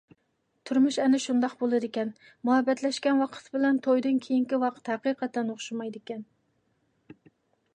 تۇرمۇش ئەنە شۇنداق بولىدىكەن، مۇھەببەتلەشكەن ۋاقىت بىلەن تويدىن كېيىنكى ۋاقىت ھەقىقەتەن ئوخشىمايدىكەن.